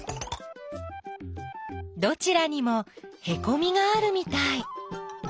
どちらにもへこみがあるみたい。